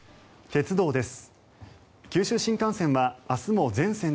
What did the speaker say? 鉄道です。